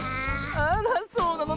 あらそうなの？